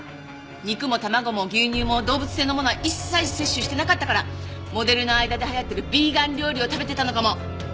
肉も卵も牛乳も動物性のものは一切摂取してなかったからモデルの間で流行ってるビーガン料理を食べてたのかも。